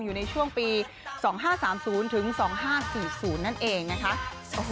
อยู่ในช่วงปี๒๕๓๐ถึง๒๕๔๐นั่นเองนะคะ